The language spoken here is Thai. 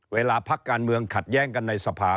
เวลาพักการเมืองขัดแย้งกันในสภา